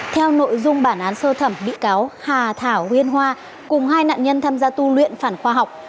theo nội dung bản án sơ thẩm bị cáo hà thảo huyên hoa cùng hai nạn nhân tham gia tu luyện phản khoa học